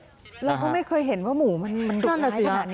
เราก็ไม่เคยเห็นว่าหมูมันดูแลขนาดนี้เถอะ